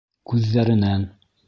Күҙҙәренән.